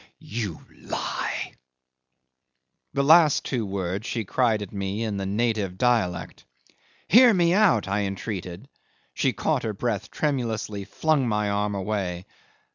... You lie!" 'The last two words she cried at me in the native dialect. "Hear me out!" I entreated; she caught her breath tremulously, flung my arm away.